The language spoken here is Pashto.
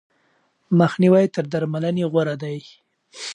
مخنیوی تر درملنې غوره دی.